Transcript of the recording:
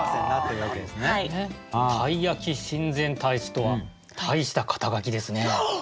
たい焼き親善鯛使とは鯛した肩書ですね。